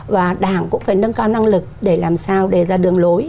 và đảng cũng phải nâng cao năng lực để làm sao để ra đường lối